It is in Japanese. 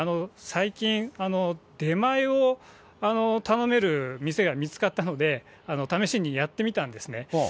最近、出前を頼める店を見つかったので、試しにやってみたんですね。